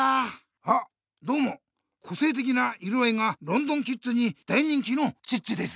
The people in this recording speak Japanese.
あどうもこせいてきな色合いがロンドンキッズに大人気のチッチです。